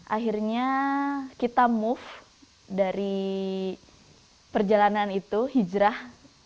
akhirnya kita move dari perjalanan itu hijrah